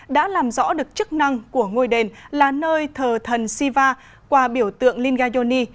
đã làm rõ được chức năng của ngôi đền là nơi thờ thần siva qua biểu tượng lingayoni